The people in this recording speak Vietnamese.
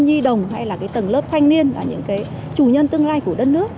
nhi đồng hay là tầng lớp thanh niên là những chủ nhân tương lai của đất nước